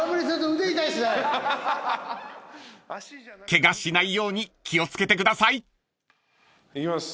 ［ケガしないように気を付けてください］いきます。